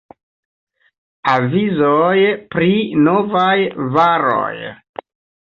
Avizoj pri Novaj Varoj.